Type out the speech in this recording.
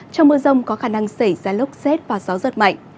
trong mưa rông có khả năng xảy ra lốc xét và gió giật mạnh